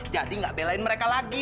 jadi nggak belain mereka lagi